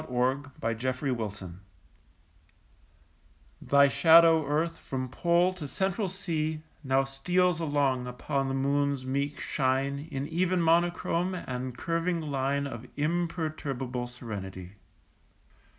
AT A LUNAR ECLIPSE THY shadow, Earth, from Pole to Central Sea, Now steals along upon the Moon's meek shine In even monochrome and curving line Of imperturbable serenity.